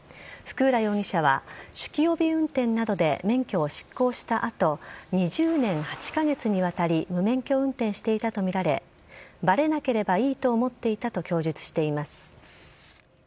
福浦容疑者は酒気帯び運転などで免許を失効した後２０年８カ月にわたり無免許運転していたとみられバレなければいいと思っていたと供述しています。